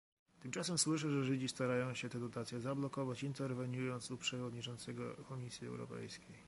Tymczasem słyszę, że Żydzi starają się te dotacje zablokować, interweniując u przewodniczącego Komisji Europejskiej